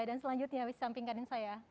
dan selanjutnya bisa sampingkanin saya